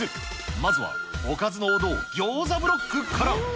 まずはおかずの王道、ギョーザブロックから。